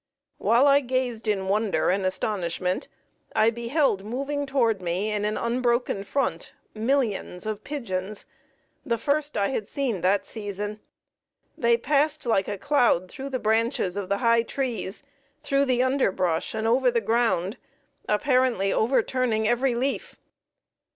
While I gazed in wonder and astonishment, I beheld moving toward me in an unbroken front millions of pigeons, the first I had seen that season. They passed like a cloud through the branches of the high trees, through the underbrush and over the ground, apparently overturning every leaf.